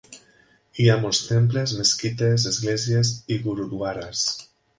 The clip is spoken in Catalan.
Hi ha molts temples, mesquites, esglésies i gurudwaras.